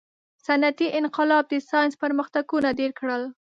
• صنعتي انقلاب د ساینس پرمختګونه ډېر کړل.